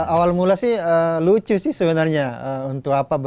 awal mula sih lucu sebenarnya